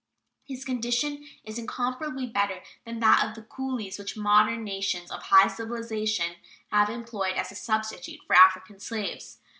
His condition is incomparably better than that of the coolies which modern nations of high civilization have employed as a substitute for African slaves.